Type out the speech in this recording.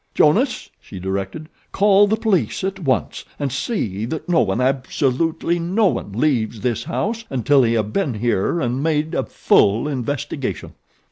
"Jonas," she directed, "call the police at once, and see that no one, absolutely no one, leaves this house until they have been here and made a full investigation."